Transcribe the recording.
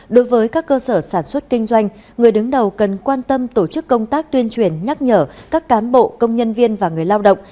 đối với các cơ sở sản xuất kinh doanh người đứng đầu cần quan tâm tổ chức công tác tuyên truyền nhắc nhở các cán bộ công nhân viên và người lao động